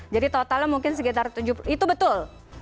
jadi totalnya mungkin sekitar tujuh puluh itu betul